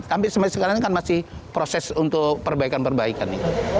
sampai sekarang kan masih proses untuk perbaikan perbaikan